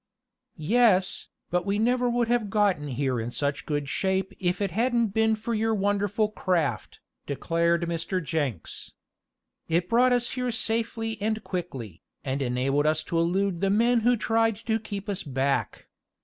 "Yes, but we never would have gotten here in such good shape if it hadn't been for your wonderful craft," declared Mr. Jenks. "It brought us here safely and quickly, and enabled us to elude the men who tried to keep us back.